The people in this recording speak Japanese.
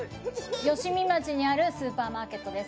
吉見町にあるスーパーマーケットです。